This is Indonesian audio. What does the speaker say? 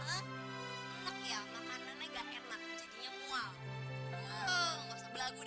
enak ya makanannya gak enak jadinya mual